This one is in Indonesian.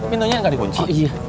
pintunya gak di kunci